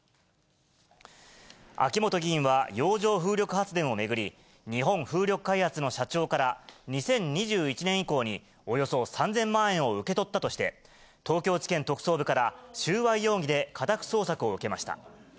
秋本議員は洋上風力発電を巡り、日本風力開発の社長から２０２１年以降に、およそ３０００万円を受け取ったとして、東京地検特捜部から収賄容疑で家宅捜索を受けました。